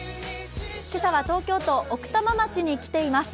今朝は東京都奥多摩町に来ています。